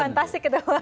fantasik itu pak